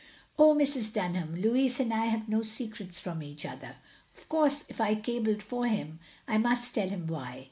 " Oh, Mrs. Dunham, Louis and I have no secrets from each other. Of course if I cabled for him, I must tell him why.